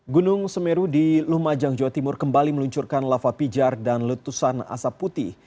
gunung semeru di lumajang jawa timur kembali meluncurkan lava pijar dan letusan asap putih